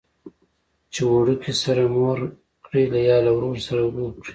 چې وړوکي سره مور کړي یا له ورور سره ورور کړي.